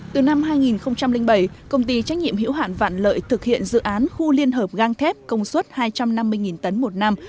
từ năm hai nghìn bảy công ty trách nhiệm hiểu hạn vạn lợi thực hiện dự án khu liên hợp gang thép công suất hai trăm năm mươi tấn một năm